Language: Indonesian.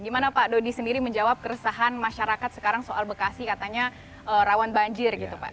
gimana pak dodi sendiri menjawab keresahan masyarakat sekarang soal bekasi katanya rawan banjir gitu pak